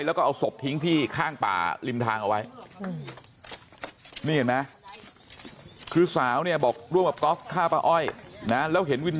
แล้วก็เอาศพทิ้งที่ข้างป่าริมทางเอาไว้